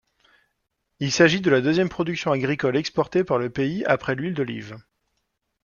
Il s'agit de la deuxième production agricole exportée par le pays après l'huile d'olive.